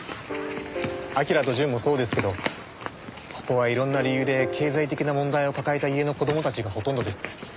彬と淳もそうですけどここはいろんな理由で経済的な問題を抱えた家の子供たちがほとんどです。